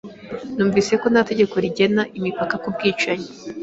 Numvise ko nta tegeko rigena imipaka ku bwicanyi.